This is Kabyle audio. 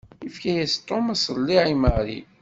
Yefka-yas Tom aṣelliɛ i Mary.